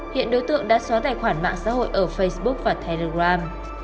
hiện đối tượng đã xóa tài khoản mạng xã hội ở facebook và telegram